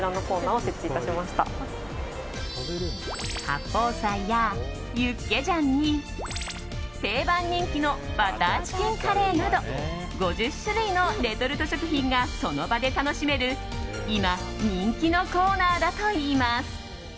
八宝菜やユッケジャンに定番人気のバターチキンカレーなど５０種類のレトルト食品がその場で楽しめる今、人気のコーナーだといいます。